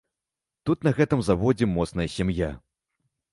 Тут на гэтым заводзе моцная сям'я.